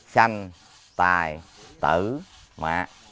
sanh tài tử mạc